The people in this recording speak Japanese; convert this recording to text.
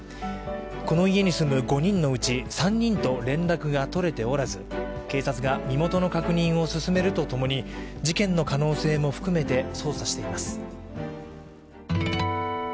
この家に住む５人のうち３人と連絡が取れておらず、警察が身元の確認を進めるとともに事件の可能性も含めて捜査しています。